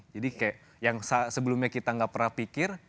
jadi kayak yang sebelumnya kita gak pernah pikir